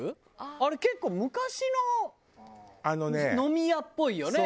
あれ結構昔の飲み屋っぽいよね。